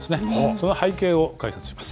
その背景を解説します。